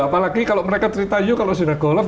apalagi kalau mereka ceritain kalau sudah golf